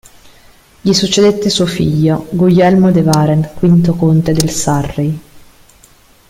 Gli succedette suo figlio, Guglielmo de Warenne, quinto conte del Surrey.